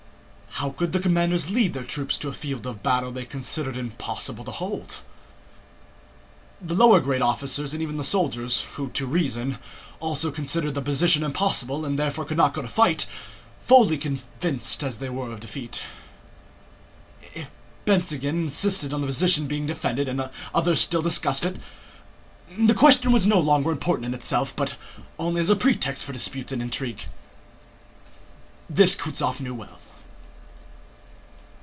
How could the commanders lead their troops to a field of battle they considered impossible to hold? The lower grade officers and even the soldiers (who too reason) also considered the position impossible and therefore could not go to fight, fully convinced as they were of defeat. If Bennigsen insisted on the position being defended and others still discussed it, the question was no longer important in itself but only as a pretext for disputes and intrigue. This Kutúzov knew well.